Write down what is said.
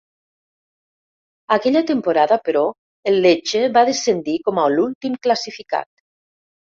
Aquella temporada però, el Lecce va descendir com a l'últim classificat.